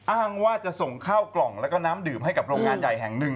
อ้างว่าจะส่งข้าวกล่องแล้วก็น้ำดื่มให้กับโรงงานใหญ่แห่งหนึ่ง